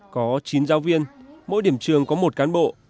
có chín giáo viên mỗi điểm trường có một cán bộ